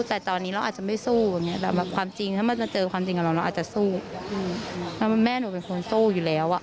แต่ตอนนี้เราอาจจะไม่สู้